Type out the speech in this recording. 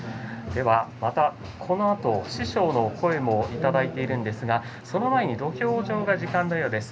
このあと、師匠の声もいただいているんですがその前に土俵上が時間のようです。